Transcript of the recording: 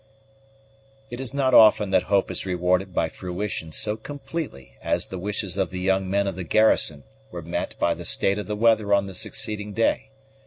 _ It is not often that hope is rewarded by fruition so completely as the wishes of the young men of the garrison were met by the state of the weather on the succeeding day.